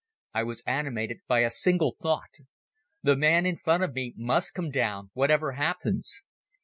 I was animated by a single thought: "The man in front of me must come down, whatever happens."